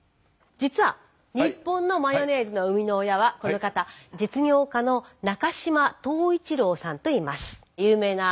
実は日本のマヨネーズの生みの親はこの方実業家の中島董一郎さんといいます。